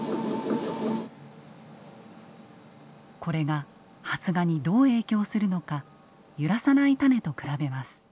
これが発芽にどう影響するのか揺らさない種と比べます。